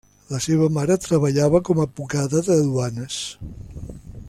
La seva mare treballava com advocada de duanes.